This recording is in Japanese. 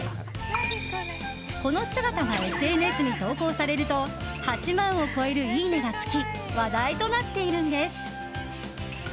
この姿がＳＮＳに投稿されると８万を超えるいいねがつき話題となっているんです。